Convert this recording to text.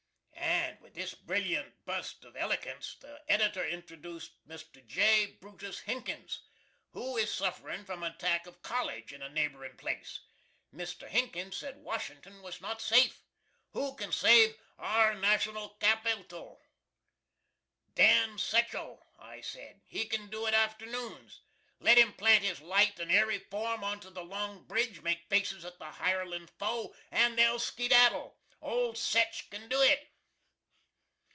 And with this brilliant bust of elekance the Editor introduced Mr. J. Brutus Hinkins, who is suffering from an attack of College in a naberin' place. Mr. Hinkins said Washington was not safe. Who can save our national capeetle? "DAN SETCHELL," I said. "He can do it afternoons. Let him plant his light and airy form onto the Long Bridge, make faces at the hirelin' foe, and they'll skedaddle! Old SETCH can do it."